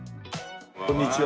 こんにちは。